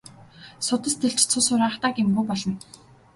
Судас тэлж цус хураахдаа гэмгүй болно.